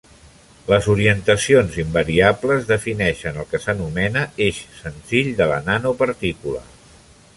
Les orientacions invariables defineixen el que s'anomena "eix senzill" de la nanopartícula.